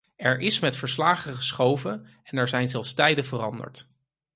Er is met verslagen geschoven en er zijn zelfs tijden veranderd.